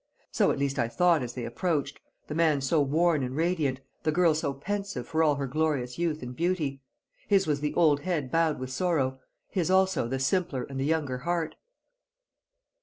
So at least I thought as they approached, the man so worn and radiant, the girl so pensive for all her glorious youth and beauty: his was the old head bowed with sorrow, his also the simpler and the younger heart.